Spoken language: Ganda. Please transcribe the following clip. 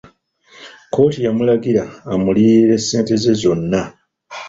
Kkooti yamulagira amuliyirire ssente ze zonna.